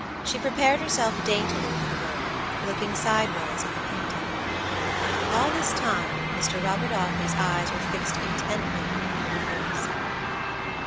She prepared herself daintily for the work, looking sideways at the painting. All this time Mr. Robert Audley's eyes were fixed intently on her pretty face.